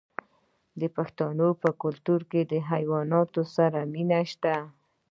د پښتنو په کلتور کې د حیواناتو سره مینه شته.